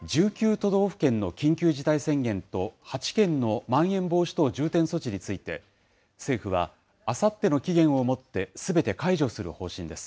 都道府県の緊急事態宣言と８県のまん延防止等重点措置について、政府はあさっての期限をもって、すべて解除する方針です。